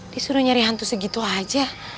disuruh nyari hantu segitu aja